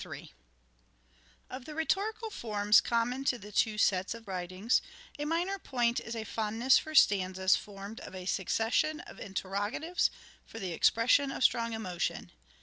interroga Of rhetorical forms common to the two sets of writings, a minor point is a fondness for stanzas formed of a succession of interrogatives for the expression of strong emotion.